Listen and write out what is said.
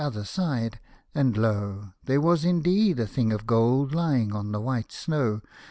other side, and lo ! there was indeed a thing of gold lying on the white snow.